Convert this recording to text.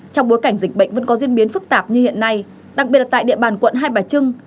trong bối cảnh dịch bệnh vẫn có diễn biến phức tạp như hiện nay đặc biệt là tại địa bàn quận hai bà trưng